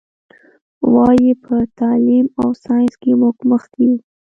وایي: په تعلیم او ساینس کې موږ مخکې یو.